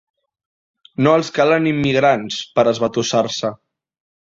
No els calen immigrants, per esbatussar-se.